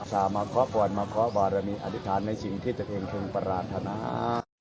สามาร์ขอบรรมขอบรรณีอธิษฐานในสิ่งที่จะเพิ่งถึงปรารถนา